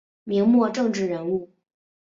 明末政治人物。